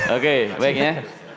oke baik ya